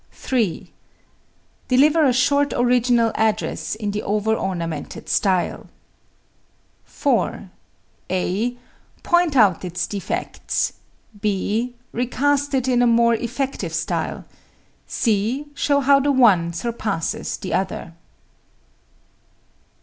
3. Deliver a short original address in the over ornamented style. 4. (a) Point out its defects; (b) recast it in a more effective style; (c) show how the one surpasses the other.